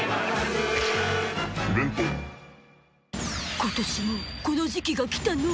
今年もこの時期が来たのぉ。